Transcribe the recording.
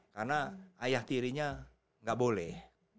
karena ayah tirinya gak boleh